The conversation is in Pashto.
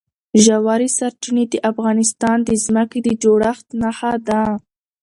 ژورې سرچینې د افغانستان د ځمکې د جوړښت نښه ده.